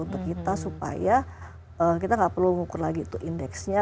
untuk kita supaya kita nggak perlu ngukur lagi itu indeksnya